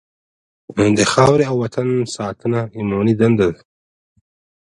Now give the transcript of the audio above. د خاورې او وطن ساتنه ایماني دنده ده.